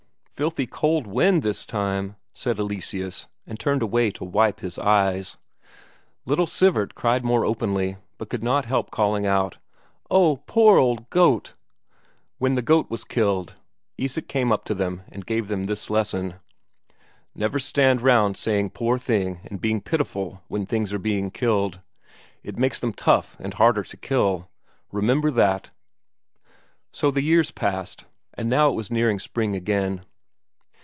"Filthy cold wind this time," said Eleseus, and turned away to wipe his eyes. Little Sivert cried more openly, could not help calling out: "Oh, poor old goat!" When the goat was killed, Isak came up to them and gave them this lesson: "Never stand around saying 'Poor thing' and being pitiful when things are being killed. It makes them tough and harder to kill. Remember that!" So the years passed, and now it was nearing spring again.